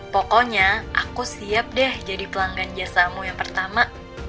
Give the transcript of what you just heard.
pokoknya aku siap deh jadi pelanggan jasamu yang pertama